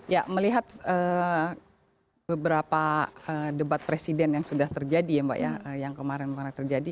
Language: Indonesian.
ya melihat beberapa debat presiden yang sudah terjadi ya mbak ya yang kemarin pernah terjadi